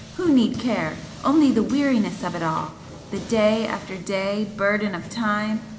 who need care! Only the weariness of it all! the day after day burden of time!